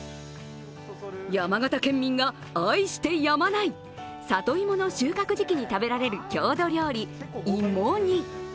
山形県民が愛してやまない里芋の収穫時期に食べられる郷土料理、芋煮。